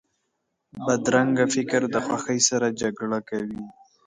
بدرنګه فکر د خوښۍ سره جګړه کوي